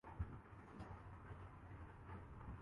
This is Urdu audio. وہ ایک مثبت کردار ادا کرسکتے ہیں۔